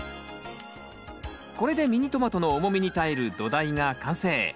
これでミニトマトの重みに耐える土台が完成。